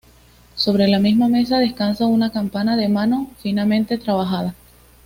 Sobre la misma mesa descansa una campana de mano finamente trabajada.